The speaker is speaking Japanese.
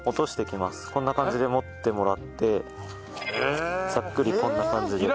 こんな感じで持ってもらってざっくりこんな感じで。